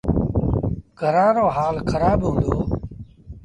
گھرآݩ رو هآل کرآب هُݩدو۔